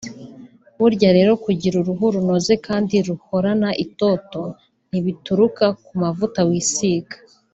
Burya rero kugira uruhu runoze kandi ruhorana itoto ntibituruka ku mavuta wisiga